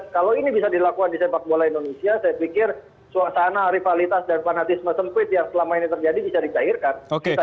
kalau ini bisa dilakukan di sepak bola indonesia saya pikir suasana rivalitas dan fanatisme sempit yang selama ini terjadi bisa dicairkan